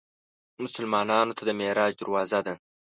مسلمانانو ته د معراج دروازه ده.